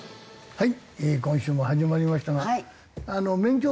はい。